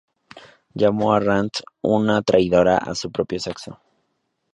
Llamó a Rand "una traidora a su propio sexo".